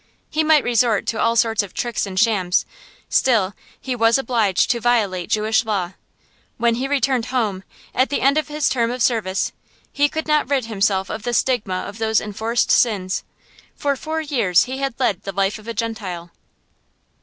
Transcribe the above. He might resort to all sorts of tricks and shams, still he was obliged to violate Jewish law. When he returned home, at the end of his term of service, he could not rid himself of the stigma of those enforced sins. For four years he had led the life of a Gentile.